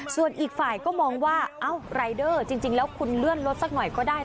ส่วนอีกฝ่ายก็มองว่าเอ้ารายเดอร์จริงแล้วคุณเลื่อนรถสักหน่อยก็ได้